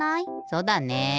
そうだね。